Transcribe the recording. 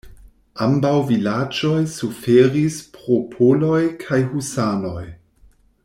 Ambaŭ vilaĝoj suferis pro poloj kaj husanoj.